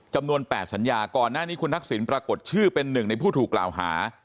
จำนวน๘สัญญาก่อนหน้านี้คุณทักษิณปรากฏชื่อเป็นหนึ่งในผู้ถูกกล่าวหา